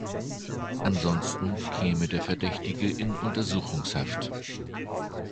Ansonsten käme der Verdächtige in Untersuchungshaft.